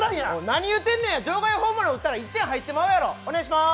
何言うてんねん場外ホームラン打ったら１点入ってまうやろよろしくお願いします